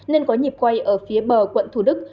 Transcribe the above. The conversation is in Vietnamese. nên có nhịp quay ở phía bờ quận thủ đức